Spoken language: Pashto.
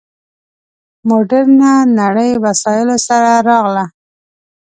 مډرنه نړۍ وسایلو سره راغله.